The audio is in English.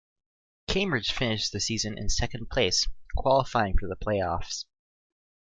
Cambridge finished the season in second place, qualifying for the play-offs.